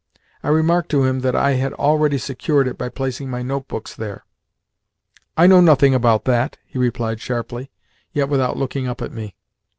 I remarked to him that I had already secured it by placing my notebooks there. "I know nothing about that," he replied sharply, yet without looking up at me.